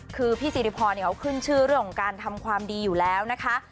คือพี่สิริพรเขาขึ้นชื่อเรื่องของการทำความดีอยู่แล้วนะคะ